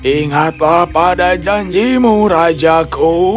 ingatlah pada janjimu rajaku